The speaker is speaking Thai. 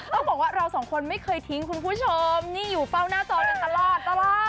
ต้องบอกว่าเราสองคนไม่เคยทิ้งคุณผู้ชมนี่อยู่เฝ้าหน้าจอกันตลอดตลอด